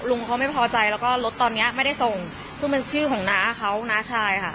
เขาไม่พอใจแล้วก็รถตอนเนี้ยไม่ได้ส่งซึ่งเป็นชื่อของน้าเขาน้าชายค่ะ